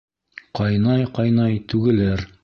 Ҡайнай-ҡайнай түгелер.